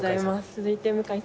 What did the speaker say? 続いて向井さん